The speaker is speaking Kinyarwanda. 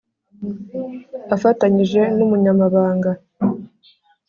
afatanyije n’Umunyamabanga